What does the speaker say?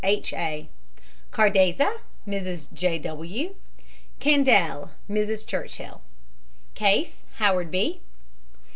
H. A. CARDEZA, MRS. J. W. CANDELL, MRS. CHURCHILL. CASE, HOWARD B.